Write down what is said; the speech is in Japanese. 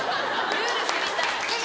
ルール知りたい。